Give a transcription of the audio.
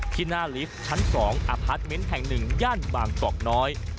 ที่หน้าลิฟท์ชั้น๒อพาร์ทเมนต์แห่ง๑ย่านบางกอกน้อย